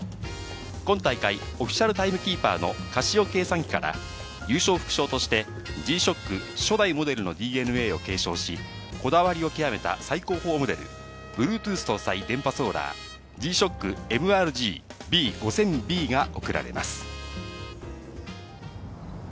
今大会オフィシャルタイムキーパーのカシオ計算機から優勝副賞として、Ｇ−ＳＨＯＣＫ初代モデルのＤＮＡを継承し、こだわりを極めた最高峰モデル、Ｂｌｕｅｔｏｏｔｈ・電波ソーラー搭載、Ｇ−ＳＨＯＣＫＭＲＧーＢ５０００Ｂが贈られます。